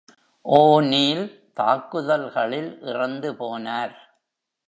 ஓ'நீல் தாக்குதல்களில் இறந்து போனார்.